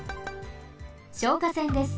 消火栓です。